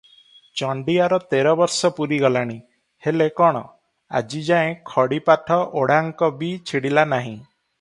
ଚଣ୍ଡିଆର ତେର ବର୍ଷ ପୂରିଗଲାଣି, ହେଲେ କଣ, ଆଜିଯାଏ ଖଡ଼ିପାଠ ଓଡ଼ାଙ୍କ ବି ଛିଡ଼ିଲା ନାହିଁ ।